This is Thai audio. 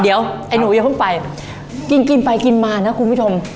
เดี๋ยวไอ้หนูอย่าเพิ่งไปกินกินไปกินมานะคุณผู้ชม